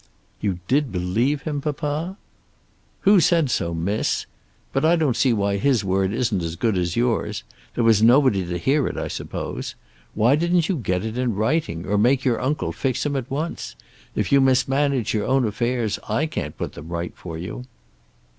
"You did believe him, papa?" "Who said so, Miss? But I don't see why his word isn't as good as yours. There was nobody to hear it, I suppose. Why didn't you get it in writing, or make your uncle fix him at once? If you mismanage your own affairs I can't put them right for you."